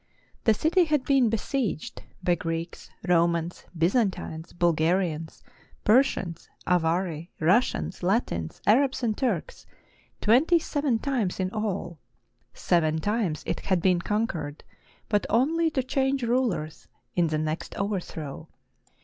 The city had been besieged by Greeks, Romans, Byzantines, Bul garians, Persians,*Avari, Russians, Latins, Arabs, and Turks — twenty seven times in all. Seven times it had been con quered, but only to change rulers in the next overthrow.